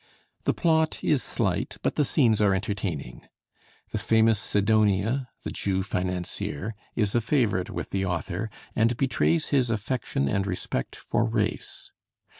The plot is slight, but the scenes are entertaining. The famous Sidonia, the Jew financier, is a favorite with the author, and betrays his affection and respect for race.